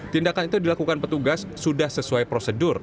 tindakan itu dilakukan petugas sudah sesuai prosedur